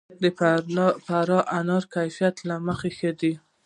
د فراه انار د کیفیت له مخې ښه دي.